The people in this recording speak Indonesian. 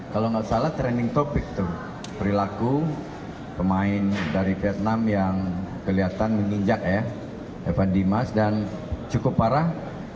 kalau nggak salah trending topic tuh perilaku pemain dari vietnam yang kelihatan menginjak ya evan dimas dan cukup parah